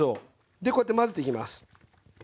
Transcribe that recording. でこうやって混ぜていきます。